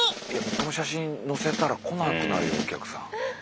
この写真載せたら来なくなるよお客さん。